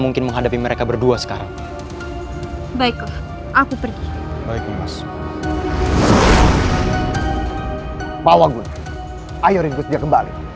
mungkin menghadapi mereka berdua sekarang baik aku pergi baiknya mas mawagun ayo rindu kembali